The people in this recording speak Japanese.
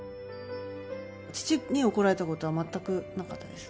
父に怒られたことは全くなかったです。